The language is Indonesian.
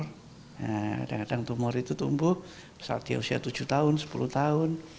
nah kadang kadang tumor itu tumbuh saat di usia tujuh tahun sepuluh tahun